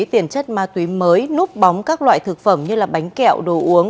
tiền chất ma túy mới núp bóng các loại thực phẩm như bánh kẹo đồ uống